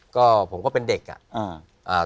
ก็ผมก็เป็นเด็กอ่ะ